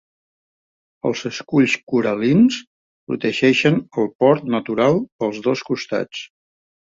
Els esculls coral·lins protegeixen el port natural pels dos costats.